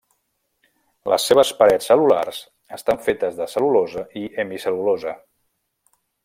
Les seves parets cel·lulars estan fetes de cel·lulosa i hemicel·lulosa.